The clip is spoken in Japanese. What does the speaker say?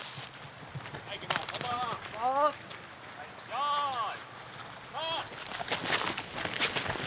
よい。